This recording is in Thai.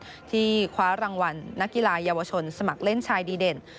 ที่คว้ารางวัลนักกีฬาเยาวชนสมัครเล่นชายดีเด่น